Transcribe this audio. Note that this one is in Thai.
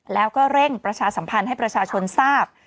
แล้วก็เร่งประชาสัมพันธ์ให้ประชาชนทราบ